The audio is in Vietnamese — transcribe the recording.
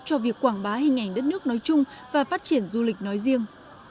cho việc quảng bá hình ảnh đất nước nói chung và phát triển du lịch nói riêng